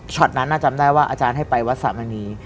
นั้นจำได้ว่าอาจารย์ให้ไปวัดสามณี